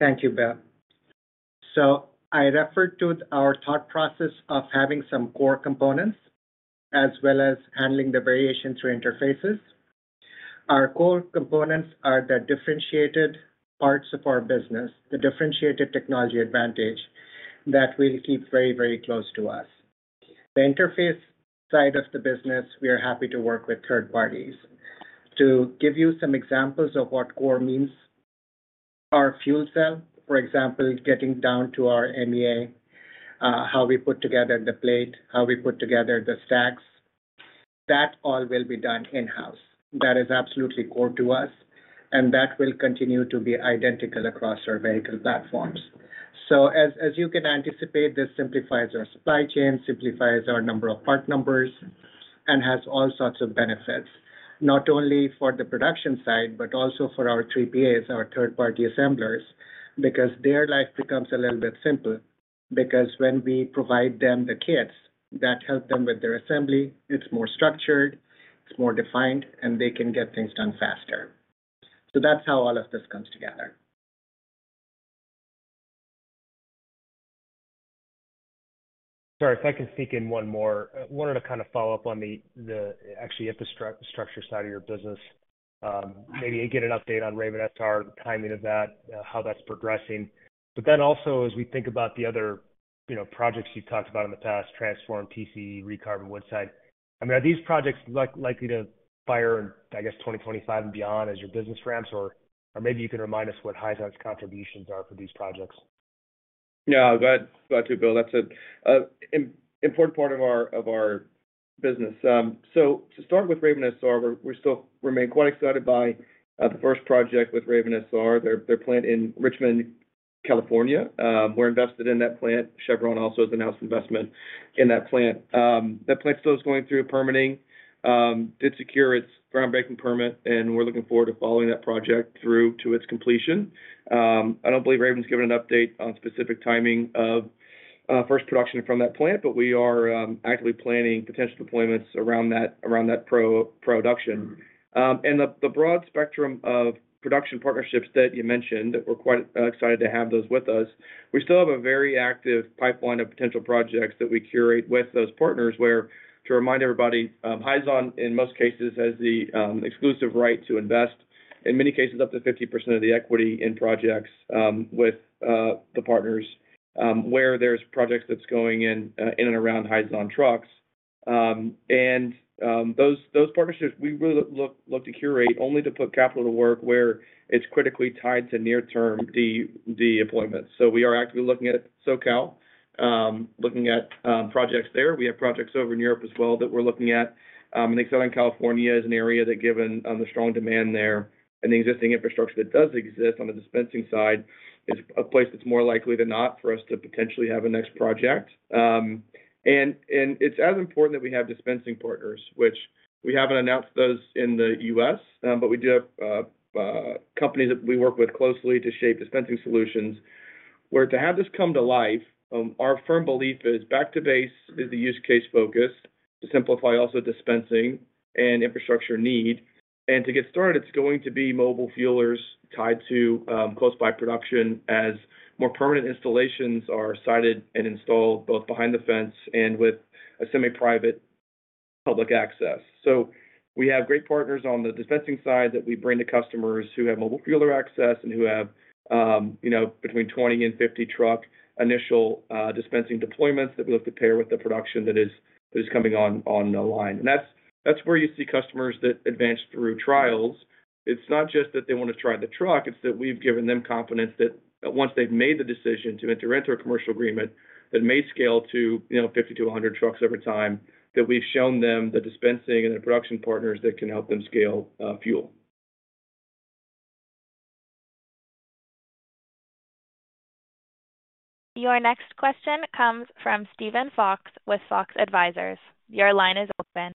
Thank you, Bill. So I referred to our thought process of having some core components as well as handling the variation through interfaces. Our core components are the differentiated parts of our business, the differentiated technology advantage that we'll keep very, very close to us. The interface side of the business, we are happy to work with third parties. To give you some examples of what core means, our fuel cell, for example, getting down to our MEA, how we put together the plate, how we put together the stacks, that all will be done in-house. That is absolutely core to us, and that will continue to be identical across our vehicle platforms. As, as you can anticipate, this simplifies our supply chain, simplifies our number of part numbers, and has all sorts of benefits, not only for the production side, but also for our TPAs, our third-party assemblers, because their life becomes a little bit simpler. When we provide them the kits, that helps them with their assembly, it's more structured, it's more defined, and they can get things done faster. That's how all of this comes together. Sorry, if I can sneak in one more. I wanted to kind of follow up on the, the actually infrastructure side of your business. maybe I get an update on Raven SR, the timing of that, how that's progressing? Then also, as we think about the other, you know, projects you've talked about in the past, Transform, TCE, ReCarbon, Woodside, I mean, are these projects like, likely to fire in, I guess, 2025 and beyond as your business ramps, or maybe you can remind us what Hyzon's contributions are for these projects? Yeah. Glad, glad to, Bill. That's a, im- important part of our, of our business. So to start with Raven SR, we're, we still remain quite excited by, the first project with Raven SR, their, their plant in Richmond, California. We're invested in that plant. Chevron also has announced investment in that plant. That plant still is going through permitting, did secure its groundbreaking permit, and we're looking forward to following that project through to its completion. I don't believe Raven's given an update on specific timing of, first production from that plant, but we are, actively planning potential deployments around that, around that pro, production. The, the broad spectrum of production partnerships that you mentioned, we're quite, excited to have those with us. We still have a very active pipeline of potential projects that we curate with those partners, where, to remind everybody, Hyzon, in most cases, has the exclusive right to invest, in many cases, up to 50% of the equity in projects, with the partners where there's projects that's going in and around Hyzon trucks. Those, those partnerships, we really look, look to curate only to put capital to work where it's critically tied to near-term deployments. We are actively looking at SoCal, looking at projects there. We have projects over in Europe as well that we're looking at. Southern California is an area that, given, the strong demand there and the existing infrastructure that does exist on the dispensing side, is a place that's more likely than not for us to potentially have a next project. It's as important that we have dispensing partners, which we haven't announced those in the U.S., but we do have, companies that we work with closely to shape dispensing solutions, where to have this come to life, our firm belief is back to base is the use case focus, to simplify also dispensing and infrastructure need. To get started, it's going to be mobile fuelers tied to, close by production as more permanent installations are sited and installed both behind the fence and with a semi-private public access. We have great partners on the dispensing side that we bring to customers who have mobile fueler access and who have, you know, between 20 and 50 truck initial dispensing deployments that we look to pair with the production that is, that is coming on, on the line. That's, that's where you see customers that advance through trials. It's not just that they want to try the truck, it's that we've given them confidence that once they've made the decision to enter into a commercial agreement that may scale to, you know, 50-100 trucks over time, that we've shown them the dispensing and the production partners that can help them scale fuel. Your next question comes from Steven Fox with Fox Advisors. Your line is open.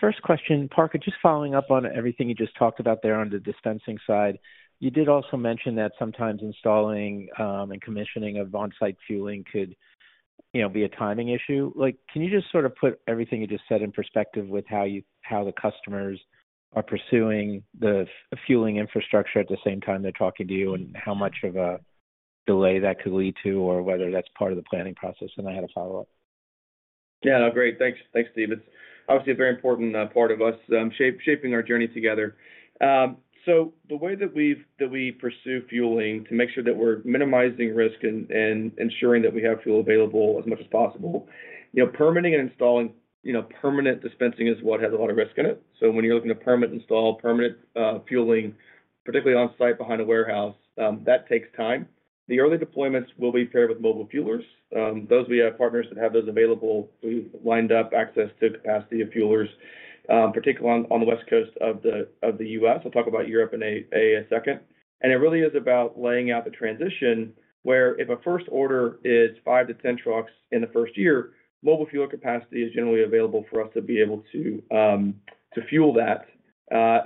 First question, Parker, just following up on everything you just talked about there on the dispensing side. You did also mention that sometimes installing and commissioning of on-site fueling could, you know, be a timing issue. Like, can you just sort of put everything you just said in perspective with how the customers are pursuing the fueling infrastructure at the same time they're talking to you, and how much of a delay that could lead to, or whether that's part of the planning process? I had a follow-up. Yeah. Great. Thanks, thanks, Steve. It's obviously a very important part of us, shaping our journey together. The way that we pursue fueling to make sure that we're minimizing risk and, and ensuring that we have fuel available as much as possible, you know, permitting and installing, you know, permanent dispensing is what has a lot of risk in it. When you're looking to permanent install, permanent fueling, particularly on-site behind a warehouse, that takes time. The early deployments will be paired with mobile fuelers. Those we have partners that have those available. We've lined up access to capacity of fuelers, particularly on, on the West Coast of the, of the U.S.. I'll talk about Europe in a second. It really is about laying out the transition, where if a first order is 5-10 trucks in the first year, mobile fueler capacity is generally available for us to be able to fuel that.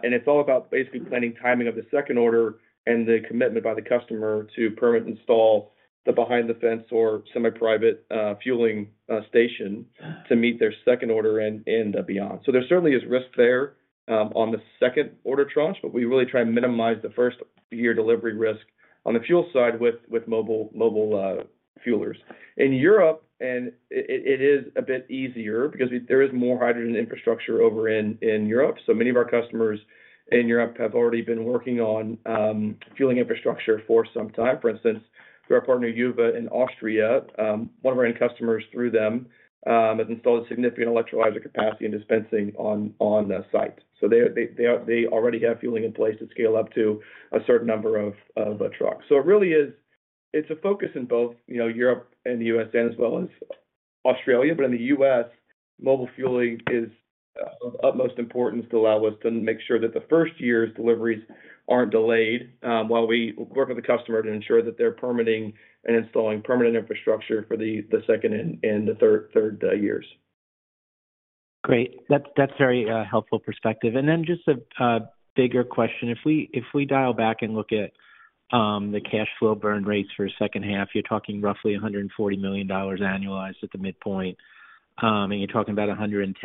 It's all about basically planning timing of the second order and the commitment by the customer to permit install the behind the fence or semi-private fueling station to meet their second order and beyond. There certainly is risk there on the second order tranche, but we really try and minimize the first year delivery risk on the fuel side with mobile, mobile fuelers. In Europe, it is a bit easier because there is more hydrogen infrastructure over in Europe. Many of our customers in Europe have already been working on, fueling infrastructure for some time. For instance, through our partner, Yuva in Austria, one of our end customers through them, has installed significant electrolyzer capacity and dispensing on the site. They're already have fueling in place to scale up to a certain number of trucks. It really is. It's a focus in both, you know, Europe and the U.S., and as well as Australia. In the U.S., mobile fueling is of utmost importance to allow us to make sure that the first year's deliveries aren't delayed, while we work with the customer to ensure that they're permitting and installing permanent infrastructure for the second and the third years. Great. That's, that's very helpful perspective. Just a, a bigger question. If we, if we dial back and look at the cash flow burn rates for second half, you're talking roughly $140 million annualized at the midpoint, and you're talking about $110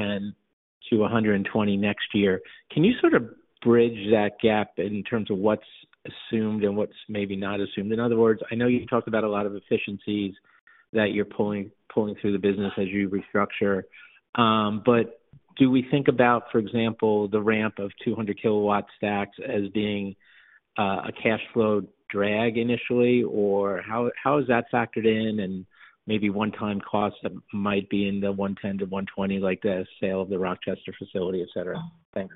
million-$120 million next year. Can you sort of bridge that gap in terms of what's assumed and what's maybe not assumed? In other words, I know you talked about a lot of efficiencies that you're pulling, pulling through the business as you restructure, but do we think about, for example, the ramp of 200 kW stacks as being a cash flow drag initially, or how, how is that factored in, and maybe one-time costs that might be in the $110-$120, like the sale of the Rochester facility, et cetera? Thanks.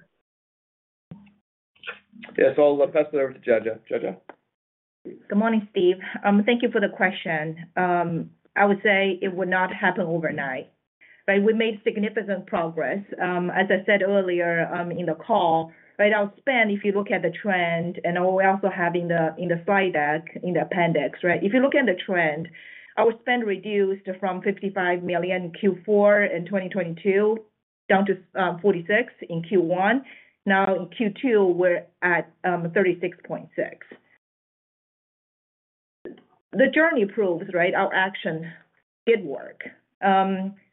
Yeah. I'll pass it over to Jiajia. Jiajia? Good morning, Steve. Thank you for the question. I would say it would not happen overnight, right? We made significant progress, as I said earlier, in the call, right? Our spend, if you look at the trend, and we also have in the, in the slide deck, in the appendix, right? If you look at the trend, our spend reduced from $55 million in Q4 in 2022, down to $46 in Q1. Now in Q2, we're at $36.6. The journey proves, right, our action did work.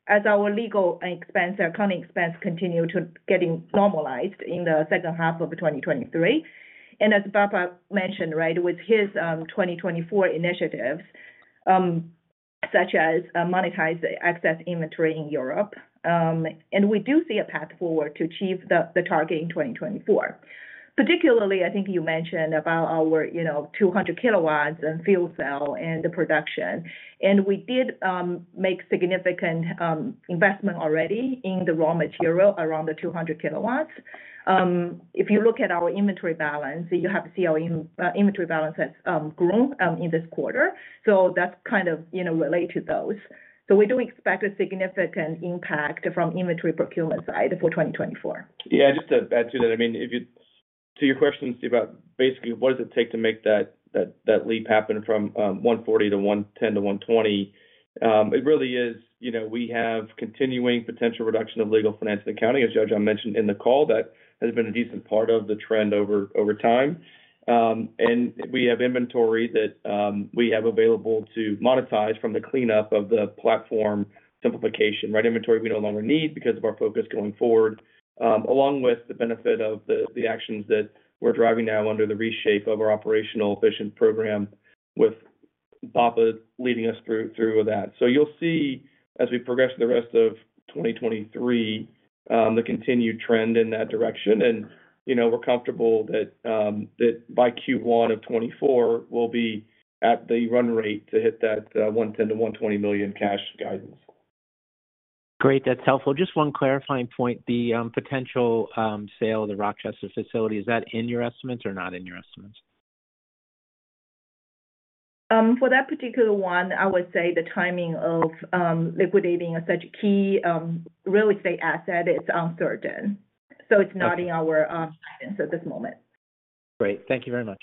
As our legal expense, our accounting expense continue to getting normalized in the second half of 2023, and as Bappa mentioned, right, with his 2024 initiatives, such as monetize excess inventory in Europe. We do see a path forward to achieve the, the target in 2024. Particularly, I think you mentioned about our, you know, 200 kWs and fuel cell and the production. We did make significant investment already in the raw material around the 200 kWs. If you look at our inventory balance, you have to see our inventory balance has grown in this quarter, so that's kind of, you know, relate to those. We do expect a significant impact from inventory procurement side for 2024. Just to add to that, I mean, to your question, Steve, about basically what does it take to make that, that, that leap happen from 140 to 110 to 120. It really is, you know, we have continuing potential reduction of legal, finance, and accounting, as Jiajia mentioned in the call, that has been a decent part of the trend over, over time. And we have inventory that we have available to monetize from the cleanup of the platform simplification. Right, inventory we no longer need because of our focus going forward, along with the benefit of the, the actions that we're driving now under the reshape of our operational efficient program with Bappa leading us through, through that. You'll see, as we progress through the rest of 2023, the continued trend in that direction. You know, we're comfortable that, by Q1 of 2024, we'll be at the run rate to hit that $110 million-$120 million cash guidance. Great. That's helpful. Just one clarifying point, the potential sale of the Rochester facility, is that in your estimates or not in your estimates? For that particular one, I would say the timing of liquidating such a key real estate asset is uncertain, so it's not- Okay. in our guidance at this moment. Great. Thank you very much.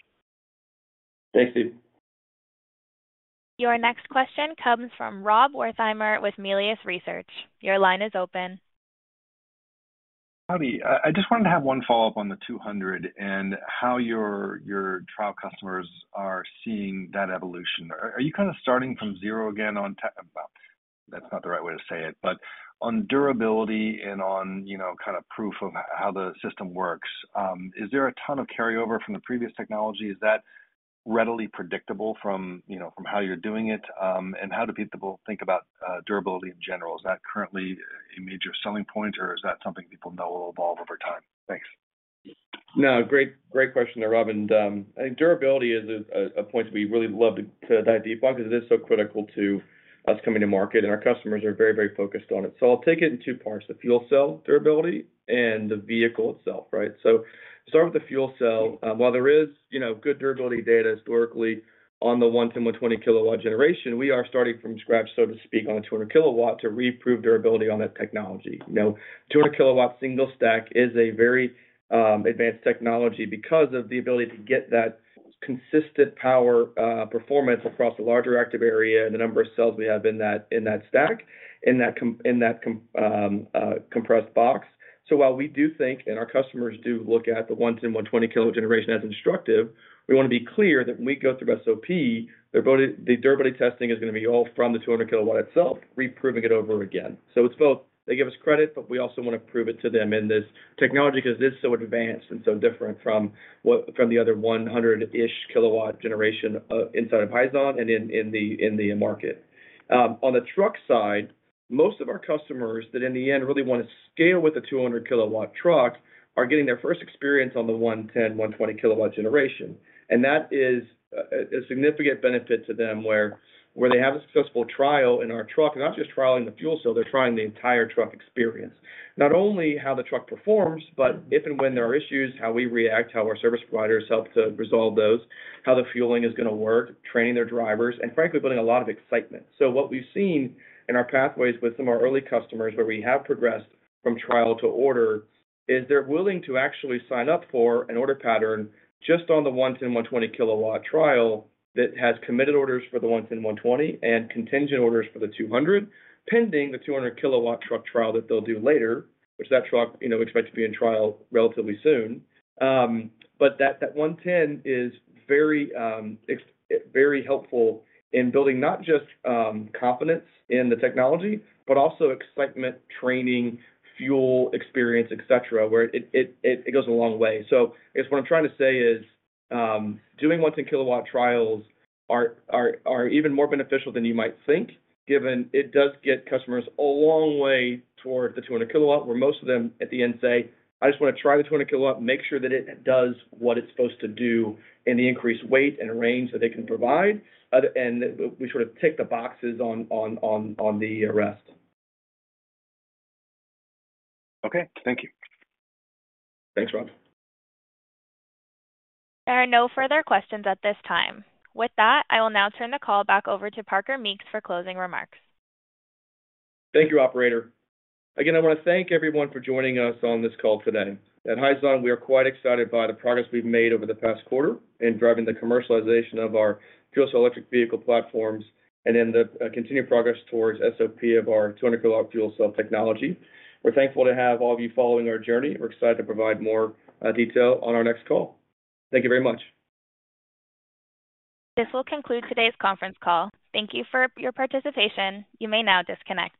Thanks, Steve. Your next question comes from Rob Wertheimer with Melius Research. Your line is open. Howdy. I just wanted to have one follow-up on the 200 and how your, your trial customers are seeing that evolution. Are, are you kind of starting from zero again on tech... Well, that's not the right way to say it, but on durability and on, you know, kind of proof of how the system works, is there a ton of carryover from the previous technology? Is that readily predictable from, you know, from how you're doing it? How do people think about durability in general? Is that currently a major selling point, or is that something people know will evolve over time? Thanks. No, great, great question there, Rob. I think durability is a, a, a point we really love to, to dive deep on because it is so critical to us coming to market, and our customers are very, very focused on it. I'll take it in two parts, the fuel cell durability and the vehicle itself, right? Start with the fuel cell. While there is, you know, good durability data historically on the 110, 120 kW generation, we are starting from scratch, so to speak, on a 200 kW to re-prove durability on that technology. You know, 200 kW single stack is a very advanced technology because of the ability to get that consistent power performance across a larger active area and the number of cells we have in that, in that stack, in that compressed box. While we do think, and our customers do look at the 110, 120 kW generation as instructive, we want to be clear that when we go through SOP, the durability testing is going to be all from the 200 kW itself, re-proving it over again. It's both. They give us credit, but we also want to prove it to them in this technology, because it's so advanced and so different from what from the other 100-ish kW generation inside of Hyzon and in, in the, in the market. On the truck side, most of our customers that in the end really want to scale with the 200 kW truck are getting their first experience on the 110, 120 kW generation. That is a, a significant benefit to them where, where they have a successful trial in our truck, not just trialing the fuel cell, they're trying the entire truck experience. Not only how the truck performs, but if and when there are issues, how we react, how our service providers help to resolve those, how the fueling is going to work, training their drivers, and frankly, building a lot of excitement. What we've seen in our pathways with some of our early customers, where we have progressed from trial to order, is they're willing to actually sign up for an order pattern just on the 110, 120 kW trial that has committed orders for the 110, 120 and contingent orders for the 200, pending the 200 kW truck trial that they'll do later, which that truck, you know, expects to be in trial relatively soon. But that, that 110 is very, very helpful in building not just confidence in the technology, but also excitement, training, fuel, experience, et cetera, where it, it, it goes a long way. I guess what I'm trying to say is, doing 10 kW trials are even more beneficial than you might think, given it does get customers a long way toward the 200 kW, where most of them, at the end, say, "I just want to try the 200 kW, make sure that it does what it's supposed to do in the increased weight and range that they can provide." We sort of tick the boxes on the rest. Okay, thank you. Thanks, Rob. There are no further questions at this time. With that, I will now turn the call back over to Parker Meeks for closing remarks. Thank you, operator. Again, I want to thank everyone for joining us on this call today. At Hyzon, we are quite excited by the progress we've made over the past quarter in driving the commercialization of our fuel cell electric vehicle platforms and in the continued progress towards SOP of our 200 kW fuel cell technology. We're thankful to have all of you following our journey. We're excited to provide more detail on our next call. Thank you very much. This will conclude today's conference call. Thank you for your participation. You may now disconnect.